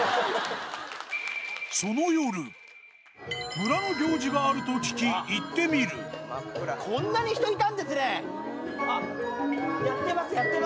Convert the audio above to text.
村の行事があると聞き行ってみるこれは４時間？